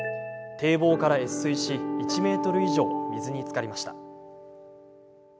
堤防から越水し１ｍ以上、水につかりました。